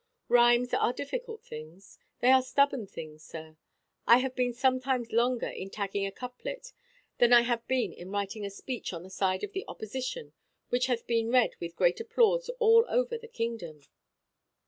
Rhimes are difficult things; they are stubborn things, sir. I have been sometimes longer in tagging a couplet than I have been in writing a speech on the side of the opposition which hath been read with great applause all over the kingdom."